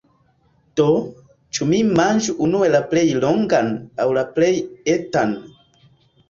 Do, ĉu mi manĝu unue la plej longan, aŭ la plej etan?